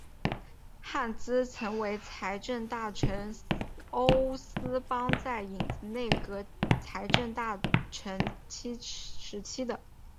汉兹曾为财政大臣欧思邦在影子内阁财政大臣时期的。